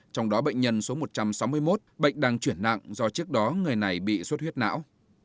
trong đó bệnh nhân số một trăm sáu mươi một bệnh đang chuyển nặng do trước đó người này bị suốt huyết não